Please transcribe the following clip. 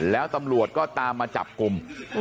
แล้วตำรวจก็ตามมาจับกลุ่ม